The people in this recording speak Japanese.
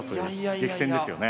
激戦ですよね。